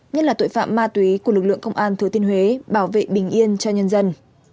nhất là tội phạm ma túy của lực lượng công an thừa thiên huế bảo vệ bình yên cho nhân dân